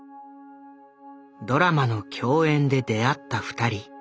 ドラマの共演で出会った２人。